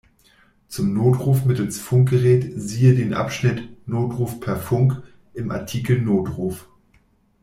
Zum Notruf mittels Funkgerät siehe den Abschnitt "Notruf per Funk" im Artikel Notruf.